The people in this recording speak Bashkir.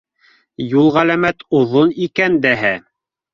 Юл ғәләмәт оҙон икән дәһә.